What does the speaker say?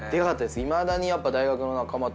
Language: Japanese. いまだにやっぱ。